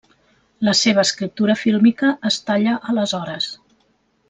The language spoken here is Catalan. La seva escriptura fílmica es talla aleshores.